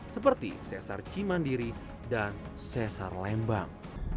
seperti sesar cimandiri dan sesar lembang